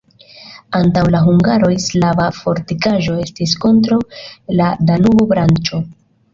Antaŭ la hungaroj slava fortikaĵo estis kontraŭ la Danubo-branĉo.